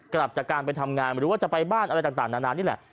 กลับจากการไปทำงานหรือว่าจะไปบ้านอะไรต่างนานานี่แหละ